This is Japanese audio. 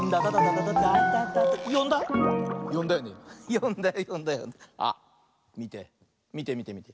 よんだよよんだよよんだよ。あっみてみてみてみて。